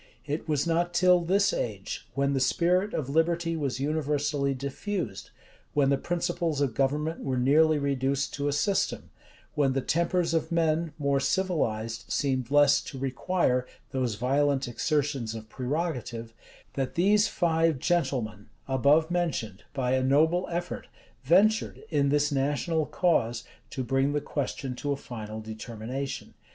It was not till this age, when the spirit of liberty was universally diffused, when the principles of government were nearly reduced to a system, when the tempers of men, more civilized, seemed less to require those violent exertions of prerogative, that these five gentlemen above mentioned, by a noble effort, ventured, in this national cause, to bring the question to a final determination.